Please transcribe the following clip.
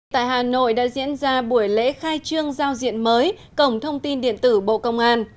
tại hà nội đã diễn ra buổi lễ khai trương giao diện mới cổng thông tin điện tử bộ công an